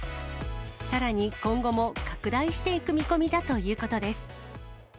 さらに今後も拡大していく見込みだということです。